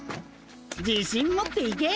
自信持っていけ！